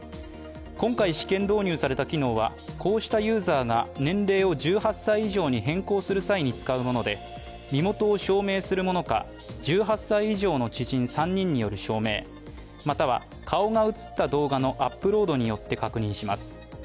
今回、試験導入された機能は、こうしたユーザーが年齢を１８歳以上に変更する際に使うもので身元を証明するものか、１８歳以上の知人３人による証明または顔が映った動画のアップロードによって確認します。